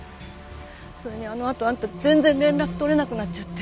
それにあのあとあんた全然連絡取れなくなっちゃって。